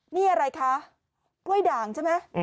นี่อะไรคะกล้วยด่างใช่ไหม